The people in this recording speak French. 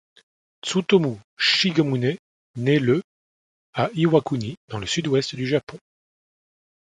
Tsutomu Shigemune nait le à Iwakuni dans le sud-ouest du Japon.